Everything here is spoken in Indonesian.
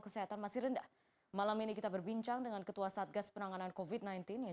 selamat malam pak terima kasih